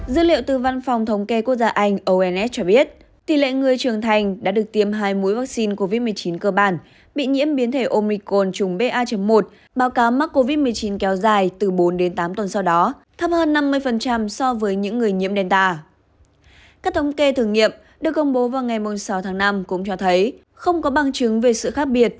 các thông kê thử nghiệm được công bố vào ngày sáu tháng năm cũng cho thấy không có bằng chứng về sự khác biệt